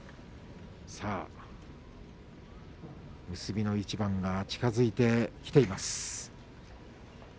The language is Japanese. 結びの一番が近づいてきています。